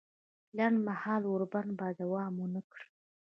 لنډ مهاله اوربند به دوام ونه کړي